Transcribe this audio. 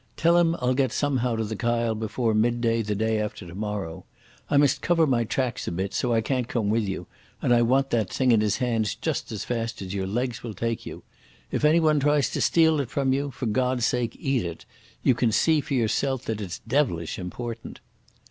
Tell him I'll get somehow to the Kyle before midday the day after tomorrow. I must cover my tracks a bit, so I can't come with you, and I want that thing in his hands just as fast as your legs will take you. If anyone tries to steal it from you, for God's sake eat it. You can see for yourself that it's devilish important."